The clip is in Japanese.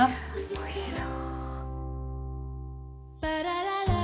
おいしそう。